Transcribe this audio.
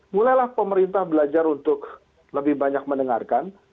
mulailah pemerintah belajar untuk lebih banyak mendengarkan